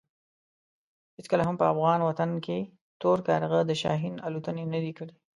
هېڅکله هم په افغان وطن کې تور کارغه د شاهین الوتنې نه دي کړې.